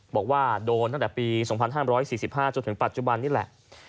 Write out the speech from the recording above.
บอกว่าโดนตั้งแต่ปี๒๕๔๕จนถึงปัจจุบันนี่แหละ